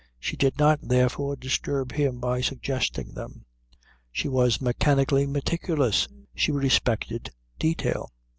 She did not, therefore, disturb him by suggesting them. She was mechanically meticulous. She respected detail.